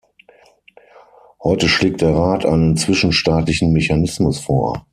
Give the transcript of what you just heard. Heute schlägt der Rat einen zwischenstaatlichen Mechanismus vor.